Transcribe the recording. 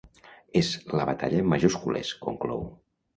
És la batalla en majúscules, conclou.